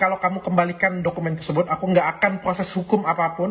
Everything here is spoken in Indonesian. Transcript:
kalau kamu kembalikan dokumen tersebut aku nggak akan proses hukum apapun